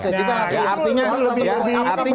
artinya artinya kan